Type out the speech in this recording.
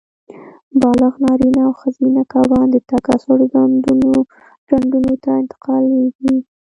بالغ نارینه او ښځینه کبان د تکثیر ډنډونو ته انتقالېږي.